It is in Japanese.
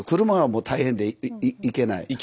車がもう大変で行けない。